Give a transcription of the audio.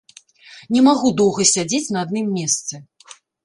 Не магу доўга сядзець на адным месцы.